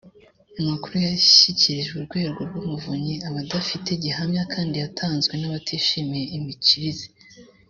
amakuru yashyikirijwe urwego rw umuvunyi aba adafite gihamya kandi yatanzwe n abatishimiye imikirize